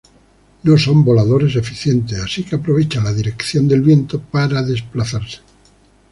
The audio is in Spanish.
No son voladores eficientes así que aprovechan la dirección del viento para desplazarse.